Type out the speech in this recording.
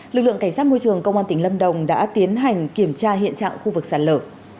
lực lượng cảnh sát môi trường công an tỉnh lâm đồng đã tiến hành kiểm tra hiện trạng khu vực sạt lở